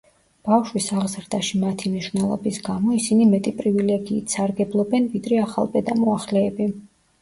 ბავშვის აღზრდაში მათი მნიშვნელობის გამო, ისინი მეტი პრივილეგიით სარგებლობენ, ვიდრე ახალბედა მოახლეები.